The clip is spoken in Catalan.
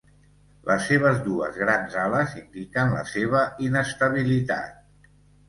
Les seves dues grans ales indiquen la seva inestabilitat.